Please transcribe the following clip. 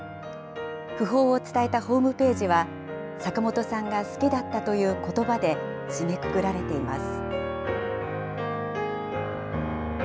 訃報を伝えたホームページは、坂本さんが好きだったということばで締めくくられています。